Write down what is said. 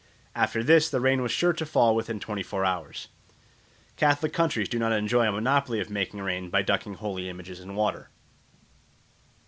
After this the rain was sure to fall within twenty four hours. Catholic countries do not enjoy a monopoly of making rain by ducking holy images in water.